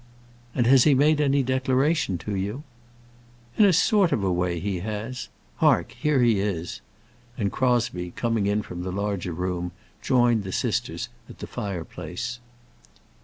"And has he made any declaration to you?" "In a sort of a way he has. Hark, here he is!" And Crosbie, coming in from the larger room, joined the sisters at the fireplace.